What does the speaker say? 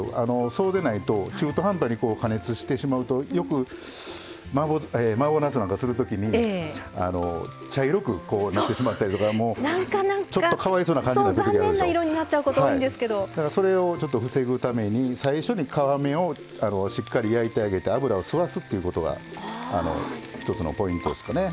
そうでないと中途半端に加熱してしまうとよくマーボーなすなんかするときに茶色くなってしまったりとかちょっと、かわいそうになってしまうんですけどそれを防ぐために最初に皮目をしっかり焼いてあげて油を吸わすというのが一つのポイントですかね。